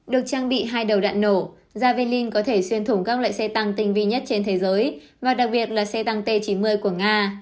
được trang bị hai đầu đạn nổ javelin có thể xuyên thủng các loại xe tăng tinh vi nhất trên thế giới và đặc biệt là xe tăng t chín mươi của nga